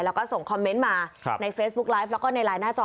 แล้วก็ส่งคอมเมนต์มาในเฟซบุ๊กไลฟ์แล้วก็ในไลน์หน้าจอ